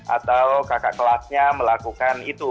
atau kakak kelasnya melakukan itu